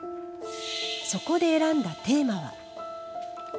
そこで選んだテーマは。